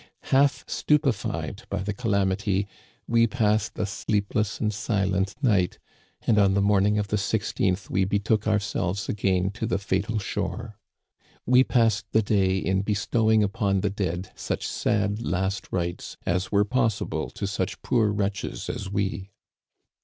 " Half stupefied by the calamity, we passed a sleep less and silent night, and on the morning of the i6th we betook ourselves again to the fatal shore. We passed the day in bestowing upon the dead such sad last rites as were possible to such poor wretches as we.